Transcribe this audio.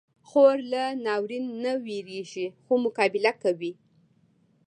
خور له ناورین نه وېریږي، خو مقابله کوي.